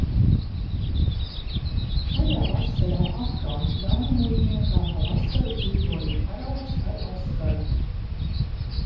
Šajā vasarā atkal Jaunmuižniekā pa vasaru dzīvoja Haralds ar Oskaru.